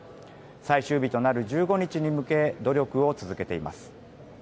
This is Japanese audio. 最終日となる１５日に向け努力を続けています。